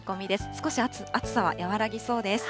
少し暑さは和らぎそうです。